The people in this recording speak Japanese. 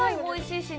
おいしい。